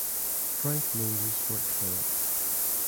Frank Moses worked for it.